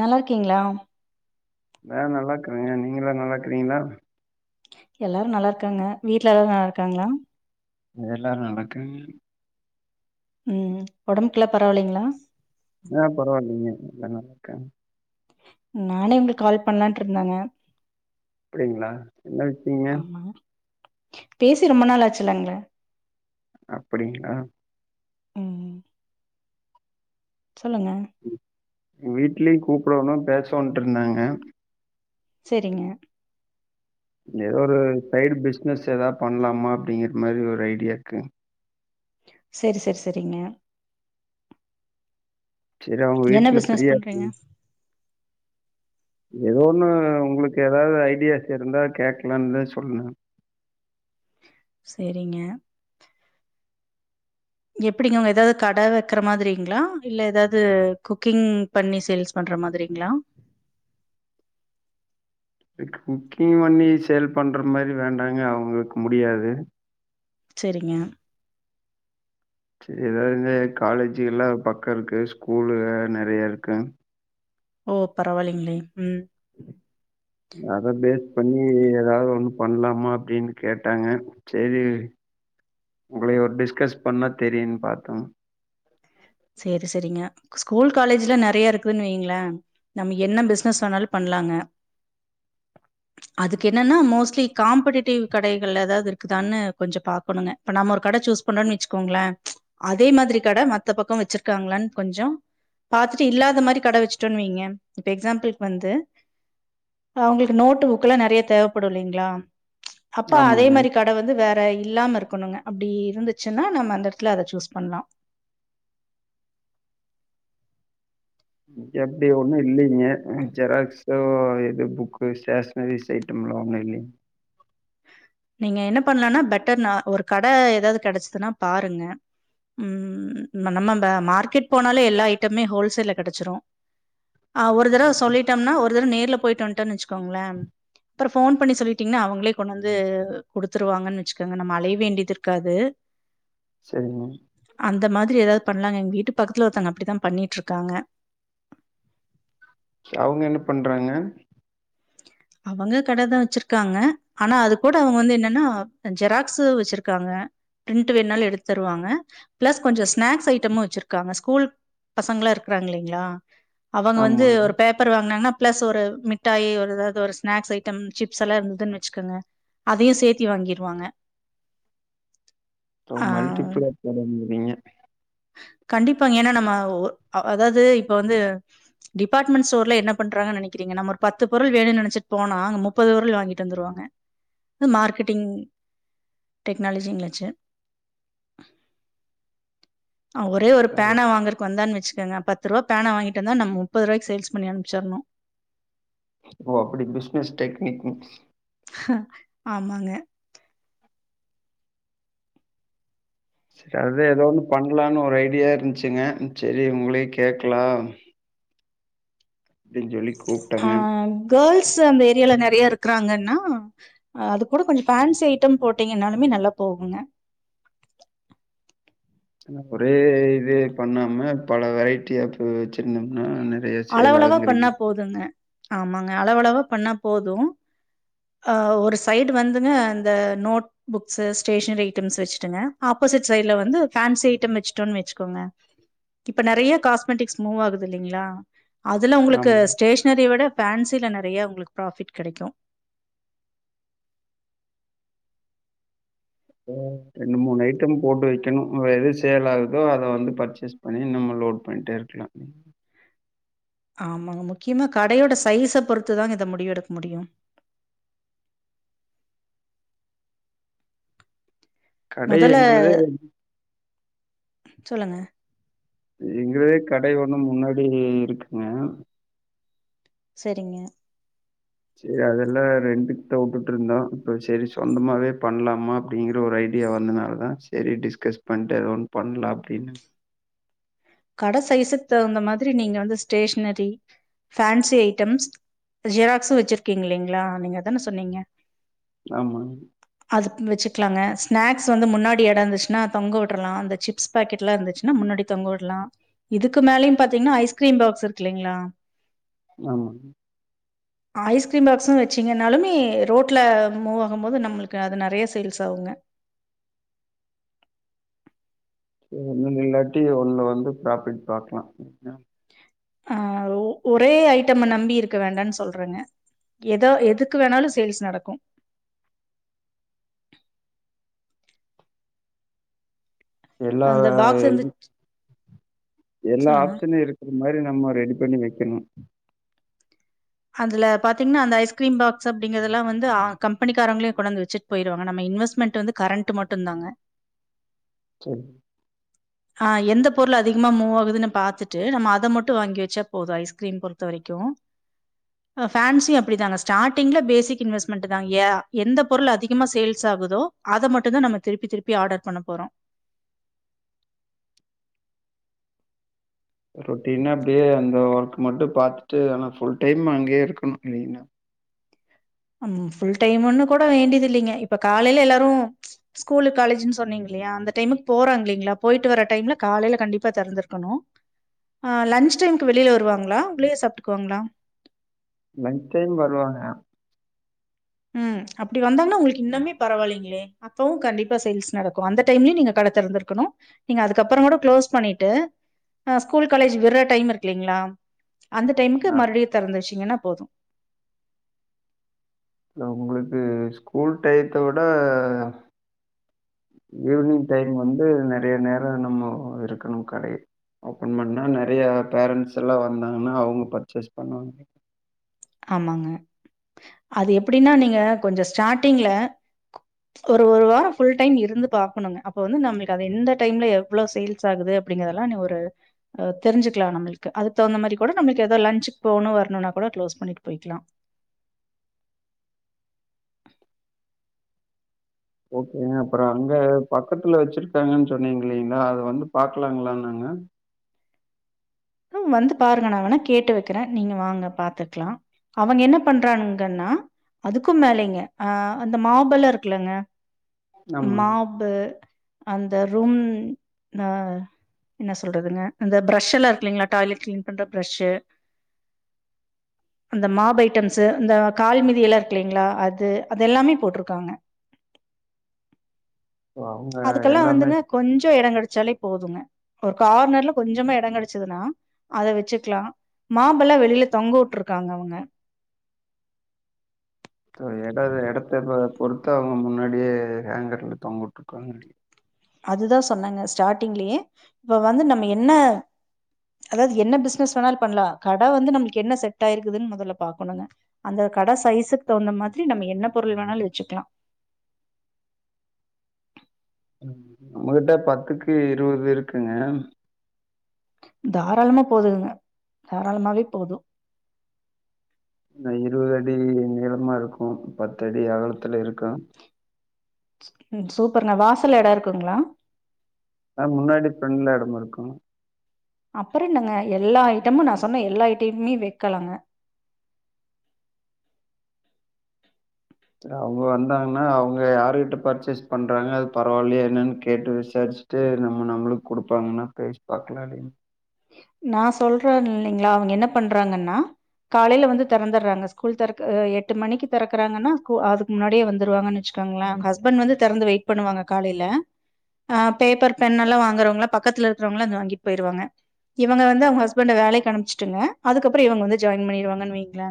நல்லாருக்கீங்ளா நா நல்லாக்குறேங்க நீங்களா நல்லாருக்கிறீங்களா எல்லாரு நல்லாருக்காங்க வீட்டுல எல்லாரு நல்லாருக்காங்களா எல்லாரு நல்லாருக்காங்க ம் ஒடம்புக்ல்லா பரவால்லைங்ளா ஆ பரவால்லைங்க நல்லா இருக்கே நானே உங்ளுக் கால் பண்லான்ட்ருந்தேங்க அப்டிங்ளா என்ன விஷியேங்க ஆமா பேசி ரொம்ப நாளு ஆச்சுலங்ளே அப்டிங்ளா ம் சொல்லுங்க வீட்லயு கூப்டோனு பேசோனுட்ருந்தாங்க சேரிங்க ஏதோ ஒரு சைடு பிஸ்னஸ் எதாவ்து பண்லாமா அப்டிங்கறது மாரி ஒரு ஐடியா இருக்குங் செரி செரி செரி செரிங்க சேரி அவுங்க என்ன வீட்டுல பிசினஸ் ஃபிரியாரு பண்றீங்க எதோன்னு உங்களுக்கு ஏதாவ்து ஐடியாஸ் இருந்தா கேக்கலானுதா சொல்ண செரிங்க எப்படிங்க உங்க எதாவ்து கட வக்கிற மாதிரிங்ளா இல்ல எதாவ்து குக்கிங் பண்ணி சேல்ஸ் பண்ற மாதிரிங்களா குக்கிங் பண்ணி சேல் பண்ற மாரி வேண்டாங்க அவங்களுக்கு முடியாது செரிங்க சரி ஏதாவது காலேஜ்கல்லாம் பக்கோ இருக்கு ஸ்கூலு வேற நெறைய இருக்குங் ஓ பரவால்லைங்களே ம் அத பேஸ் பண்ணி ஏதாவது ஒண்ணு பண்லாமா அப்டின்னு கேட்டாங்க சேரி உங்களை ஒரு டிஸ்கஸ் பண்ணா தெரியுன்னு பாத்தோ சேர் சரிங்க ஸ்கூல் காலேஜ்ல நிறைய இருக்குதுன்னு வைங்களா நம்ம என்ன பிசினஸ் வேணாலு பண்லாங்க அதுக்கு என்னன்னா மோஸ்ட்லி காம்படிட்டிவ் கடைகள் ஏதாவது இருக்குதான்னு கொஞ்சோ பாக்கணுங்க இப்ப நம்ம ஒரு கடை சூஸ் பண்றோன்னு வச்சுக்கோங்களே அதே மாதிரி கடை மத் மத்த பக்கம் வச்சிருக்காங்களானு கொஞ்சோ பாத்துட்டு இல்லாத மாரி கடை வச்சுட்டோன்னு வைங்க இப்ப எக்ஸாம்பிள்க்கு வந்து அவங்களுக்கு நோட்டு புக் எல்லா நறையா தேவைப்படு இல்லிங்களா அப்போ அதே ஆமாங்க. மாரி கடை வந்து வேற இல்லாம இருக்கணுங்க அப்டி இருந்துச்சுன்னா நம்ம அந்த எடத்துல அத சூஸ் பண்லா இங்க அப்டி ஒண்ணு இல்லைங்க ஜெராக்ஸு இது புக்கு ஸ்டேஷனரி ஐட்டம்லா ஒண்ணு இல்லிங் நீங்க என்ன பண்ணலனா பெட்டர் நா ஒரு கடை ஏதாவது கிடைச்சதுன்னா பாருங்க ம் நம்ம மார்க்கெட் போனாலே எல்லா ஐட்டமே ஹோல்சேல்ல கெடச்சிரு ஆ ஒரு தடவை சொல்லிட் ட்டம்னா ஒரு தட நேர்ல போய்ட்டு வந்துட்டோன்னு வச்சுக்கோங்களே அப்றோ போன் பண்ணி சொல்லிட்டீங்கன்னா அவங்களே கொண்டு வந்து குடுத்துருவாங்கன்னு வச்சுக்கோங்க நம்ம அலைய வேண்டியது இருக்காது சரிங்க அந்த மாதிரி ஏதாவது பண்ணலாங்க எங்க வீட்டு பக்கத்துல ஒருத்தவங்க அப்டிதா பண்ணிட்டு இருக்காங்க ஃபர்ஸ்ட்டு அவ்ங்க என்ன பண்றாங்க அவங்க கடை தா வச்சிருக்காங்க ஆனா அது கூட அவங்க வந்து என்னன்னா இந்த ஜெராக்ஸு வச்சிருக்காங்க பிரிண்ட் வேணாலு எடுத்து தருவாங்க பிளஸ் கொஞ்சோ ஸ்நாக்ஸ் ஐட்டமு வச்சிருக்காங்க ஸ்கூல் பசங்களா இருக்கறாங்க இலைங்களா அவங்க வந்து ஆமாங்க. ஒரு பேப்பர் வாங்கினாங்கன்னா பிளஸ் ஒரு மிட்டாயி ஒரு எதாவது இந்த ஒரு ஸ்நாக்ஸ் ஐட்டம் சிப்ஸ் எல்லா இருந்ததுன்னு வச்சுக்கோங்க அதையு சேர்த்தி வாங்கிருவாங்க இப்போ ஆ மல்டிப்ளா தொடங்குறீங்க கண்டிப்பா ஏன்னா நம்ம அதாவது இப்ப வந்து டிபார்ட்மெண்ட் ஸ்டோர்ல என்ன பண்றாங்கு நினக்குறீங்க நம்ம ஒரு பத்து பொருள் வேணுன்னு நினைச்சு போனா அங்க முப்பது பொருள் வாங்கிட்டு வந்துருவாங்க இது மார்க்கெட்டிங் டெக்னாலஜிங்காச்சு ஒரே ஒரு அது பேனா வாங்கறக்கு வந்தான்னு வச்சுக்கோங்க பத்து பத்து ரூபா பேனா வாங்கிட்டு வந்தா நம்ம முப்பது ரூபாய்க்கு சேல்ஸ் பண்ணி அனுப்ச்சிடணு ஓ அப்டி பிஸ்னஸ் டெக்னிக்ஸ் ஆமாங்க சரி ஏதா ஒண்ணு பண்ணலாம்னு ஒரு ஐடியா இருந்துச்சுங்க சரி உங்களயு கேக்கலா அப்டின் சொல்லி கூப்ட்டே ஆ கேள்ஸ் அந்த ஏரியால நறையா இருக்கிறாங்கன்னா அது கூட கொஞ்சோ ஃபேன்சி ஐட்டம் போட்டீங்கனாலுமே நல்லா போகுங்க ஒரே இது பண்ணாம பல வெரைட்டியா அப்போ வேச்சிருந்தம்னா அளவளவா பண்ணா போதுங்க ஆமாங்க அளவளவா பண்ணா போது அ ஒரு சைடு வந்துங்க இந்த நோட் புக்ஸ் ஸ்டேஷனரி ஐட்டம்ஸ் வச்சுட்டங்க ஆப்போசிட் சைடுல வந்து பேன்சி ஐட்டம் வெச்சுட்டோனு வெச்சுக்கோங்க இப்ப நெறைய காஸ்மெட்டிக்ஸ் மூவ் ஆகுது இல்லீங்களா அதுல உங்ளுக்கு ஆமா. ஸ்டேஷ்னரிய விட பேன்சில நெறைய உங்ளுக்கு ப்ராஃபிட் கெடைக்கு ரெண்டு மூணு ஐட்ட போட்டு வைக்கணு எது சேல் ஆகுதோ அத வந்து பர்ச்சேஸ் பண்ணி நம்ம லோட் பண்ணிட்டே இருக்கலா ஆமாங்ஐ முக்கியமா கடயோட சைஸை பொறுத்துதா இத முடிவெடுக்க முடியு கடை மொதல்ல எங்களுதே சொல்லுங்க எங்குளுதே கடை ஒண்ணு முன்னாடி இருக்குங்க சரிங்க சரி அதெல்லா ரெண்ட்டுக்குதா வுட்டுட் இருந்தோ இப்ப சரி சொந்தமாவே பண்லாமா அப்டிங்கற ஒரு ஐடியா வந்தனால தா சரி டிஸ்கஸ் பண்ட்டு எதோ ஒன்னு பண்லா அப்டின்னு கட சைஸுக்கு தகுந்த மாரி நீங்க வந்து ஸ்டேஷனரி ஃபேன்சி ஐட்டம்ஸ் ஜெராக்ஸு வெச்சிருக்கீங்க இலைங்களா நீங்க தானே சொன்னீங்க ஆமாங்க அதுக்கு வெச்சுகலாங்க ஸ்நாக்ஸ் வந்து முன்னாடி இட இருந்துச்சுனா தொங்க வுட்றலா அந்த சிப் ஸ் பேக்கெட்லா இருந்துச்னா முன்னாடி தொங்க வுட லா இதுக்கு மேலயு பாத்தீங்கனா ஐஸ்கிரீ பாக்ஸ் இருக்குலீங்களா ஆமாங்க ஐஸ்கிரீ பாக்ஸு வெச்சிங்கனாலுமே ரோட்டல மூவ் ஆகும் போது நம்ளுக்கு அது நெறைய சேல்ஸ் ஆகுங்க ஒன்னு இல்லாட்டி ஒண்ணு வந்து ப்ராபிட் பாக்லா ஆ ஒரே ஐட்டம நம்பி இருக்க வேண்டான்னு சொல்றங்க எதோ எதுக்கு வேணாலு சேல்ஸ் நடக்கு எல்லா அந்த பாக்ஸ் இருந்து எல்லா சொல்லுங்க. ஆப்ஷனு இருக்கிற மாரி நம்ம ரெடி பண்ணி வெக்கணு அதுல பாத்தீங்னா அந்த ஐஸ்கிரீம் பாக்ஸ் அப்டிங்கறதெல்லா வந்து அ கம்பெனிக்காரங்களே கொண்டாந்து வெச்சுட் போயிருவாங்க நம்ம இன்வெஸ்மெண்ட் வந்து கரண்ட் மட்டு தாங்க சரிங் ஆ எந்த பொருள் அதிகமா மூவ் ஆகுதுன்னு பாத்துட்டு நம்ம அத மட்டு வாங்கி வச்சா போது ஐஸ்கிரீம் பொறுத்த வரைக்கு பேன்சி அப்டிதாங்க ஸ்டார்ட்டிங்கல பேசிக் இன்வெஸ்மெண்ட் தா ஏ எந்த பொருள் அதிகமா சேல்ஸ் ஆகுதோ அத மட்டுதா நம திருப்பி திருப்பி ஆர்டர் பண்ணப்போறோ ரொட்டீனா அப்டியே அந்த ஒர்க் மட்டு பாத்துட்டு ஆனா புல் டைம் அங்கேயே இருக்கனு ஃபுல் டைம்ன்னு கூட வேண்டியதில்லீங்க இப்ப காலைல எல்லாரு ஸ்கூலு காலேஜூ சொன்னீங்க இல்லயா அந்த டைமு போறாஙி இல்லீங்களா போயிட்டு வர டைம்ல காலைல கண்டிப்பா தெறந்திருக்கணு ஆ லஞ்சு டைம்க்கு வெளில வருவாங்களா உள்ளயே சாப்டுபாங்ளா லன்ச் டைம் வருவாங்க ம் அப்டி வந்தாங்கனா உங்ளுக்கு இன்னுமே பரவாயில்லீங்ளே அப்பவு கண்டிப்பா சேல்ஸ் நடக்கு அந்த டைம்லயு நீங்க கடத்திறந்திருக்கணு நீங்க அதுக்கப்புற கூட க்ளோஸ் பண்ணிட்டு அ ஸ்கூல் காலேஜ் விடுற டைம் இருக்குலீங்களா அந்த டைமுக்கு மறுவடியு திறந்து வெச்சிங்னா போது உங்ளுக்கு ஸ்கூல் டையத்த விட ஈவினிங் டைம் வந்து நெறைய நேர நம்மோ இருக்கணு கடைல ஓப்பன் பண்ணா நெறையா பேரண்ட்ஸ் எல்லா வந்தாங்கன்னா அவங்க பர்ச்சேஸ் பண்ணுவாங்க ஆமாங்க அது எப்டின்னா நீங்க கொஞ்ச ஸ்டார்டிங்ல ஒரு ஒரு வாரோ ஃபுல் டைம் இருந்து பாக்கணுங்க அப்ப வந்து நம்ளுக்கது எந்த டைம்ல எவ்ளோ சேல் சாகுது அப்டிங்கதல்லா நீ ஒரு அ தெரிஞ்சிக்லா நம்மள்க்கு அதுக் தகுந்த மாரி கூட நம்ளுக்கேதோ லன்சுக் போகனூ வரணுனா கூட க்ளோஸ் பண்ணிட்டு போயிக்கலா ஓகேங்க அப்பறோ அங்க பக்கத்துல வச்சிருக்காங்கன் சொன்னீங்ளீங்ளா அத வந்து பாக்கலாங்களா நாங்க நு வந்து பாருங்க நா வேணா கேட்டு வக்கிறே நீங்க வாங்க பாத்துக்லா அவங்க என்ன பண்றானுங்கன்னா அதுக்கு மேலைங்க ஆ அந்த மாவ்பெல்லா இருக்குலங்க ஆமாங்க. மாபு அந்த ரூம் அ என்ன சொல்றதுங்க அந்த பிரஷ்ஷெல்லா இருக்குலைங்களா டாய்லட் கிளீன் பண்ற பிரஷ்ஷு அந்த மாப் ஐட்டம்ஸு இந்த கால்மீதி எல்லா இருக்லைங்ளா அது அது எல்லாமே போட்ருக்காங்க அவங்க அதுக்கெல்லா எல்லாமே வந்துங்க கொஞ்சொ எடங்கெடைச்சாலே போதுங்க ஒரு கார்னர்ல கொஞ்சமா எடொங் கெடச்சதுன்னா அத வச்சுக்லா மாபெல்லா வெளியில தொங்க உட்ருக்காங்க அவங்க சோ எடது எடத்துல ப பொறுத்து அவங்க முன்னாடியே ஹேங்கர்ல தொங்கவுட்ருக்காங்க அதுதா சொன்னங்க ஸ்டார்டிங்லயே இப்ப வந்து நம்ம என்ன அதாவது என்ன பிசினஸ் வேணாலு பண்லா கட வந்து நம்ளுக் என்ன செட் ஆயிருக்குதுன் மொதல்ல பாக்கணுங்க அந்த கட சைசுக் தகுந்த மாதிரி நம்ம என்ன பொருள் வேணாலு வச்சுக்லா நம்மகிட்ட பத்துக்கு இருவது இருக்குங்க தாராளமா போதுதுங்க தாராளமாவே போது ந இருவது அடி நீளமா இருக்கு பத்தடி அகலத்துல இருக்கா ம் சூப்பர்ணா வாசல்ல எடோ இருக்குங்ளா ஆ முன்னாடி ஃப்ரெண்ட்ல எடமிருக்கு அப்பறென்னங்க எல்லா ஐட்டமு நா சொன்ன எல்லா ஐட்டையுமே வைக்கலாங்க ச அவங்க வந்தாங்கன்னா அவங்க யாருகிட்ட பர்ச்சேஸ் பண்றாங்க அது பரவால்லையா என்னனு கேட்டு விசாரிச்சி ட்டு நம்ம நம்மளுக் குடுப்பாங்கனா பேசி பாக்கலாலையா நா சொல்றன் இல்லைங்களா அவங்க என்ன பண்றாங்கன்னா காலைல வந்து தெறந்துர்றாங்க ஸ்கூல் தெறக் அ எட்டு மணிக்கு தெறக்குறாங்கன்னா கு அதுக்கு முன்னாடியே வந்துருவாங்கன் வச்சுக் டோங்ளே ஹஸ்பண்ட் வந்து தெறந்து வெயிட் பண்ணுவாங்க காலையில ஆ பேப்பர் பென்னெல்லா வாங்குறவங்களா பக்கத்துல இருக்றவங்களா இத வாங்கிட் போயிருவாங்க இவங்க வந்து அவங்க ஹஸ்பண்ட வேலைக்கு அனுப்ச்சிட்டுங்க அதுக்கப்பறோ இவங்க வந்து ஜாயின் பண்ணிருவாங்கன் வைங்ளே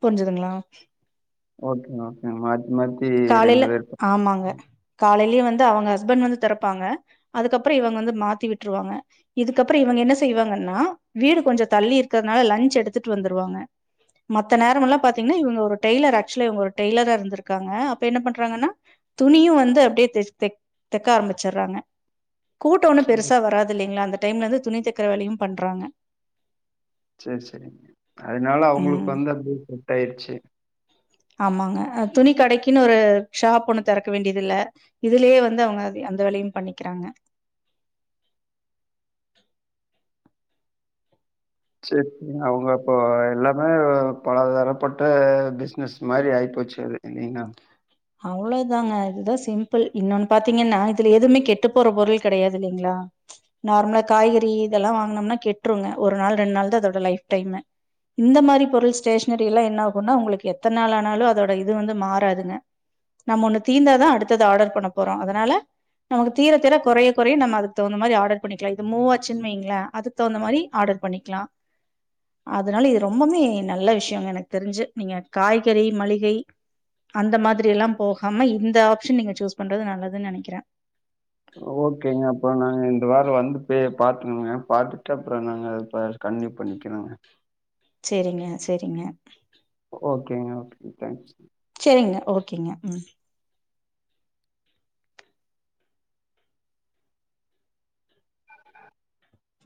புரிஞ்சதுங்ளா ஓகே ஓகேங்க மாத்தி மாத்தி ரெண்டு பேருக்கு ஆமாங்க காலைலயே வந்து அவங்க ஹஸ்பண்ட் வந்து தெறப்பாங்க அதுக்கப்றோ இவங்க வந்து மாத்தி விட்ருவாங்க இதுக் கப்றோ இவங்க என்ன செய்வாங்கன்னா வீடு கொஞ்சோ தள்ளி இருக்கதுனால லஞ்ச் எடுத்துட்டு வந்துருவாங்க மத்த நேரமெல்லா பாத்தீங்னா இவங்க ஒரு டெய்லர் ஆக்சுலா இவங்க ஒரு டெய்லரா இருந்துருக்காங்க அப்ப என்ன பண்றாங்கனா துணியு வந்து அப்டியே தச் தக் தக்க ஆரம்பிச்சிர்றாங்க கூட்டோ ஒன்னு பெருசா பா- வராது இல்லைங்ளா அந்த டைம்ல வந்து துணி தக்கிற வேலையு பண்றாங்க சேர் செரி அதனால அவங்களுக்கு ம் வந்து அப்டியே செட் ஆயிருச்சி ஆமாங்க அ துணி கடைக்கினொரு ஷாப் ஒண்ணு தெறக்க வேண்டியதில்ல இதுலயே வந்து அவங்க அதி அந்த வேலையு பண்ணிக்கிறாங்க சேர் அவங்க அப்போ எல்லாமே பலதரப்பட்ட பிசினஸ் மாரி ஆயிப்போச்சி அது இல்லைங்ளா அவ்ளதாங்க இதுதா சிம்பிள் இன்னொன்னு பாத்தீங்கன்னா இதுல எதுமே கெட்டுப் போற பொருள் கெடையாது இல்லைங்களா நார்மலா காய்கறி இதெல்லா வாங்கனம்னா கெட்டுருங்க ஒரு நாள் ரெண்டு நாள் தா அதோட லைஃப் டைமு இந்த மாரி பொருள் ஸ்டேஷனரி எல்லா என்ன ஆகுன்னா உங்களுக்கு எத்தன் நாள் ஆனாலு அதோட இது வந்து மாறாதுங்க நம்ம ஒண்ணு தீந்தாதா அடுத்தது ஆர்டர் பண்ண போறோ அதனால நமக்கு தீர தீர கொறைய கொறைய நம்ம அதுக்தகுந்த மாரி ஆர்டர் பண்ணிக்கலா இது மூவாச்சுன் வைங்கள அது தகுந்த மாரி ஆர்டர் பண்ணிக்கலா அதனால இது ரொம்பமே நல்ல விஷ்யங்க எனக்கு தெரிஞ்சு நீங்க காய்கறி மளிகை அந்த மாதிரி எல்லா போகாம இந்த ஆப்ஷன் நீங்க சூஸ் பண்றது நல்லதுனு நெனைக்கிற ஓகேங்க அப்புறோ நாங்க இந்த வாரோ வந்து பே பாத்கோங்க பாத்துட்டு அப்புறோ நாங்க கன்டினியூ பண்ணிக்கிறங்க சேரிங்க சேரிங்க ஓகேங்க ஓகேங்க தேங்க்ஸ் சேரிங்க ஓகேங்க ம்